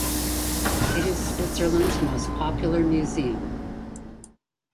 It is Switzerland's most popular museum.